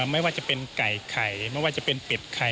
ไม่ว่าจะเป็นไก่ไข่ไม่ว่าจะเป็นเป็ดไข่